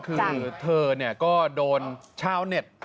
คือเธอเนี่ยก็โดนชาวเน็ต